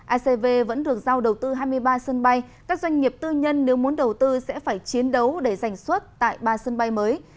acv vẫn được giao đầu tư hai mươi ba sân bay các doanh nghiệp tư nhân nếu muốn đầu tư sẽ phải chiến đấu để giành xuất tại ba sân bay mới